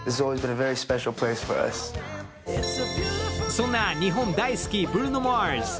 そんな日本大好きブルーノ・マーズ。